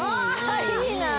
いいなぁ。